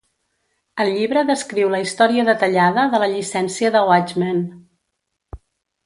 El llibre descriu la història detallada de la llicència de Watchmen.